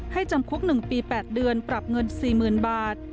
จำคุก๑ปี๘เดือนปรับเงิน๔๐๐๐บาท